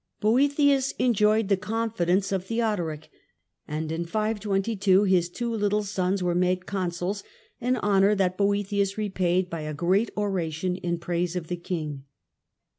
Boethius enjoyed the onfidence of Theodoric, and in 522 his two little sons r ere made consuls, an honour that Boethius repaid by great oration in praise of the king.